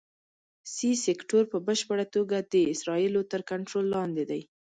سي سیکټور په بشپړه توګه د اسرائیلو تر کنټرول لاندې دی.